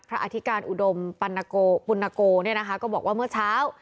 อธิการอุดมปัณโกปุณโกเนี่ยนะคะก็บอกว่าเมื่อเช้า